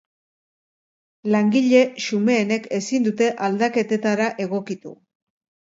Langile xumeenek ezin dute aldaketetara egokitu.